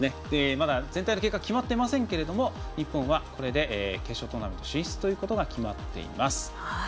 まだ全体の結果は決まっていませんが日本は、これで決勝トーナメント進出が決まっています。